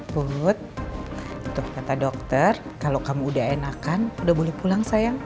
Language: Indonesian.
put tuh kata dokter kalau kamu udah enakan udah boleh pulang sayang